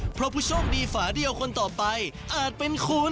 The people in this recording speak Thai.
เพราะผู้โชคดีฝาเดียวคนต่อไปอาจเป็นคุณ